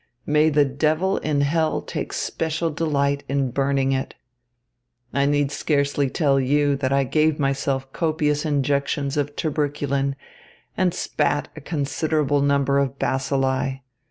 May the devil in hell take special delight in burning it. I need scarcely tell you that I gave myself copious injections of tuberculin and spat a considerable number of bacilli.